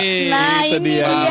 nah ini dia